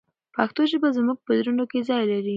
پښتو ژبه زموږ په زړونو کې ځای لري.